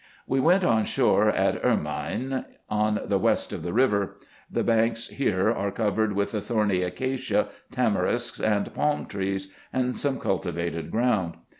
We went on shore at Ermyne, on the west of the river. The banks here are covered with the thorny acacia, tamarisks, and palm trees, and some cultivated ground.